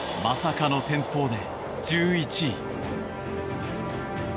まさかの転倒で１１位。